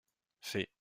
Fais.